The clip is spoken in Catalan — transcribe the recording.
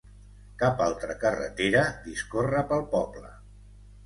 Cap altra carretera discorre pel poble.